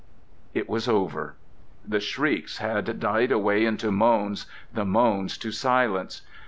It was over. The shrieks had died away into moans, the moans to silence....